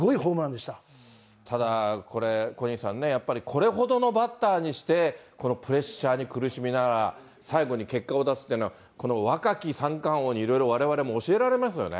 ただ、これ、小西さんね、これほどのバッターにして、このプレッシャーに苦しみながら、最後に結果を出すっていうのは、この若き三冠王にいろいろわれわれも教えられましたよね。